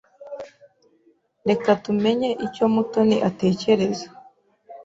Reka tumenye icyo Mutoni atekereza.